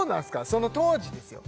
その当時ですよ